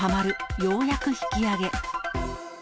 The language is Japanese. ようやく引き上げ。